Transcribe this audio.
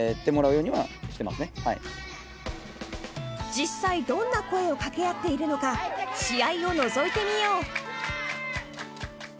［実際どんな声を掛け合っているのか試合をのぞいてみよう］